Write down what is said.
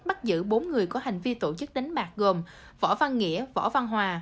bắt giữ bốn người có hành vi tổ chức đánh bạc gồm võ văn nghĩa võ văn hòa